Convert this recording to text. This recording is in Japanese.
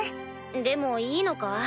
でもいいのか？